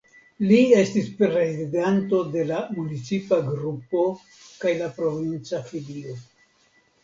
Li estis prezidanto de la municipa grupo kaj la provinca filio.